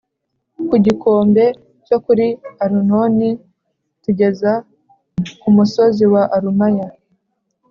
ku gikombe cyo kuri arunoni tugeza ku musozi wa alumaya